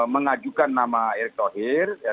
mengajukan nama erick thohir